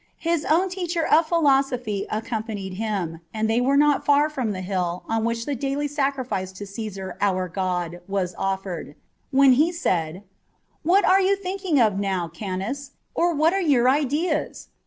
His own teacher of philosophy accompanied him, and they CH. XV.] OF PEACE OF MIND. 281 were not far from the hill on which the daily sacrifice to Caesar our god was offered, when he said, " What are you thinking of now, Kanus? or what are your ideas